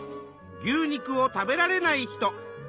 牛肉を食べられない人。